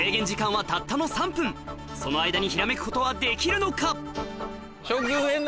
その間にひらめくことはできるのか？